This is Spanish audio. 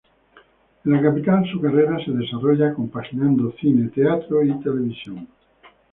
En la capital su carrera se desarrolla compaginando cine, teatro y televisión.